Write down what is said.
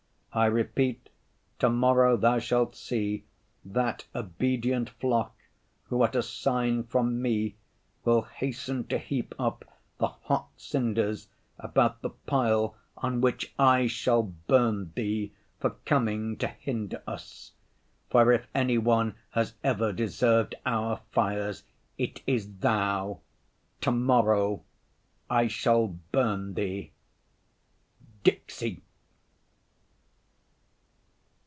I repeat, to‐morrow Thou shalt see that obedient flock who at a sign from me will hasten to heap up the hot cinders about the pile on which I shall burn Thee for coming to hinder us. For if any one has ever deserved our fires, it is Thou. To‐morrow I shall burn Thee. _Dixi.